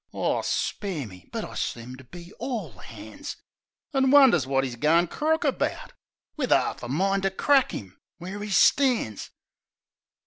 (Aw, spare me! But I seemed to be all 'ands!) An' wonders wot 'e's goin' crook about, Wiv 'arf a mind to crack 'im where 'e stands.